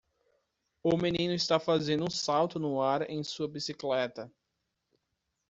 O menino está fazendo um salto no ar em sua bicicleta.